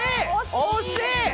惜しい！